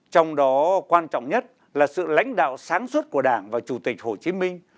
trong đó quan trọng nhất là sự lãnh đạo sáng suốt của đảng và chủ tịch hồ chí minh